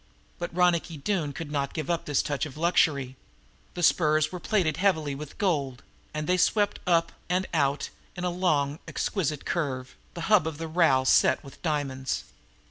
But Ronicky Doone could not give up this touch of luxury. The spurs were plated heavily with gold, and they swept up and out in a long, exquisite curve, the hub of the rowel set with diamonds.